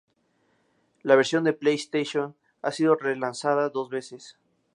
La versión de PlayStation ha sido relanzada dos veces.